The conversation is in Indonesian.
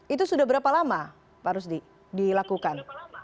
itu sudah berapa lama harus dilakukan